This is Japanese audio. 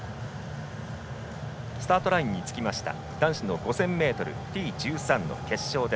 スタートラインにつきました男子の５０００ｍ、Ｔ１３の決勝。